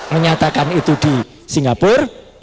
menyatakan itu di singapura